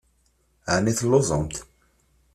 Ɛni telluẓemt?